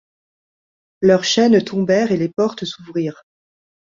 Leurs chaînes tombèrent et les portes s'ouvrirent.